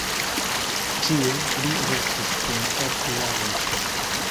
Tie li restis dum ok jaroj.